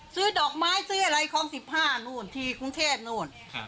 ซื้อดอกไม้ซื้ออะไรของสิบห้านู่นที่กรุงเทพฯนู่นครับ